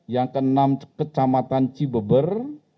yang keenam kecamatan cibeber